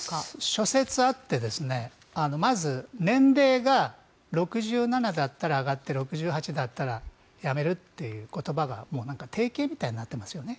諸説あってまず年齢が６７だったら上がって６８歳だったら辞めるというのが定型みたいになってますよね。